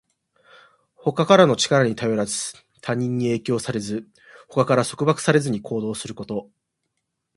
他からの力に頼らず、他人に影響されず、他から束縛されずに行動すること。